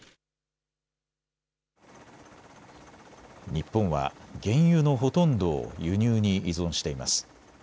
日本は原油のほとんどを輸入に依存しています。